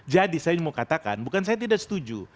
jadi saya mau katakan bukan saya tidak setuju